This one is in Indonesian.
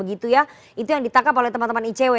itu yang ditangkap oleh teman teman icw